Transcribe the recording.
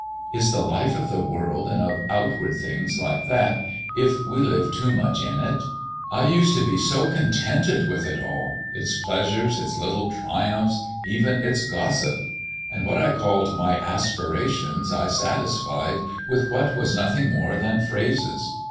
Is the life of the world and of outward things like that, if we live too much in it? I used to be so contented with it all its pleasures, its little triumphs, even its gossip; and what I called my aspirations I satisfied with what was nothing more than phrases.